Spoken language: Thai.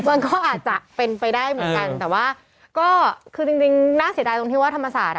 มันก็อาจจะเป็นไปได้เหมือนกันแต่ว่าก็คือจริงน่าเสียดายตรงที่ว่าธรรมศาสตร์